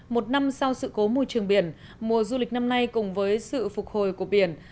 một năm sau sự cố môi trường biển mùa du lịch năm nay cùng với sự phục hồi của biển